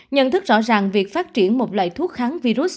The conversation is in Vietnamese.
nhận thức rõ ràng việc phát triển một loại thuốc kháng virus